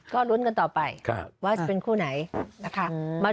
ก็ลุ้นกันต่อไปว่าจะเป็นคู่ไหนนะคะ